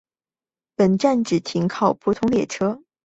本站只停靠普通列车。